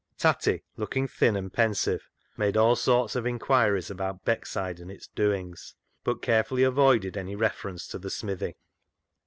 Tatty, looking thin and pensive, made all sorts of inquiries about Beckside and its doings, but carefully avoided any reference to the smithy.